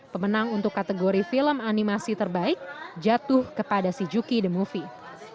pemenang untuk kategori film animasi terbaik jatuh kepada si juki the movie